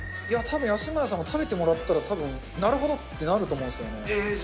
いや、たぶん安村さんも食べてもらったらたぶん、なるほどってなると思うんですよね。